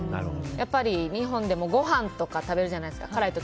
やっぱり日本でもご飯とか食べるじゃないですか、辛い時。